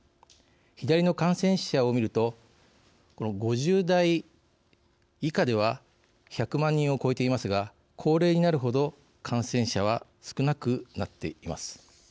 左の感染者を見るとこの５０代以下では１００万人を超えていますが高齢になる程、感染者は少なくなっています。